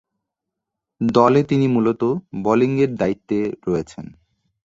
দলে তিনি মূলতঃ বোলিংয়ের দায়িত্বে রয়েছেন।